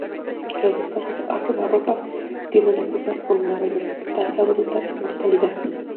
Los disparos a quemarropa tienden a cursar con una mayor tasa bruta de mortalidad.